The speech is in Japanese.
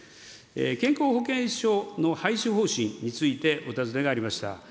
健康保険証の廃止方針について、お尋ねがありました。